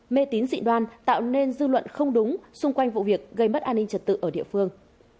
mê tín dị đoan tạo nên dư luận không đúng xung quanh vụ việc gây mất an ninh trật tự ở địa phương